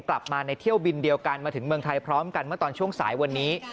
กลับมาในเที่ยวบินเดียวกันมาถึงเมืองไทยพร้อมกันเมื่อตอนช่วงสายวันนี้